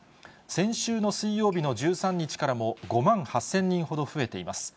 先週の水曜日の１３日からも、５万８０００人ほど増えています。